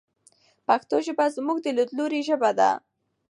پښتو ژبه زموږ د لیدلوري ژبه ده.